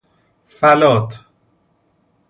فلاّت